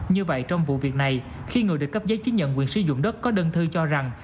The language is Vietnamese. như vậy trong vụ việc này khi người được cấp giấy chứng nhận quyền sử dụng đất có đơn thư cho rằng